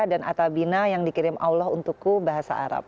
dan atabina yang dikirim allah untukku bahasa arab